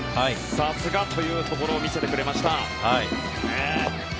さすがというところを見せてくれました。